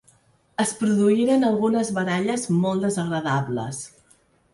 Es produïren algunes baralles molt desagradables